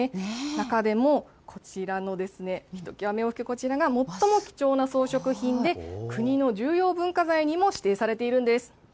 中でも、こちらのひときわ目を引く、こちらが最も貴重な装飾品で、国の重要文化財にも指定されているんです。